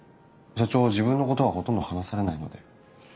社長自分のことはほとんど話されないので。